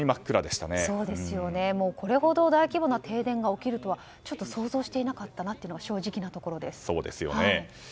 そうですよね、これほど大規模な停電が起きるとはちょっと想像していなかったなというのが正直なところです。